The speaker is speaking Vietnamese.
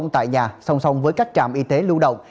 tại nhà song song với các trạm y tế lưu động